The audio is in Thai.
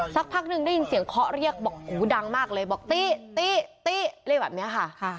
สักพักหนึ่งได้ยินเสียงเคาะเรียกบอกหูดังมากเลยบอกตีตี้ตีตี้เรียกแบบนี้ค่ะ